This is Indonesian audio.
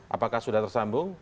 apakah sudah tersambung